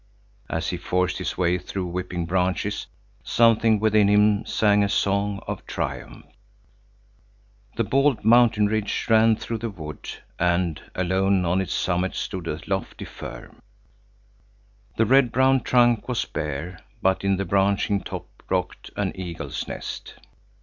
As he forced his way through whipping branches, something within him sang a song of triumph. The bald mountain ridge ran through the wood and alone on its summit stood a lofty fir. The red brown trunk was bare, but in the branching top rocked an eagle's nest.